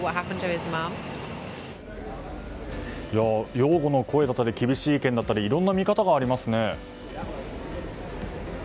擁護の声だったり厳しい意見だったりいろいろな見方がありますね。